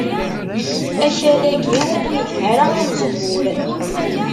Akal-agi ur yelha ara i uzemmur